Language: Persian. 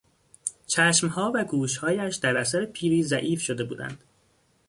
چشمها و گوشهایش در اثر پیری ضعیف شده بودند.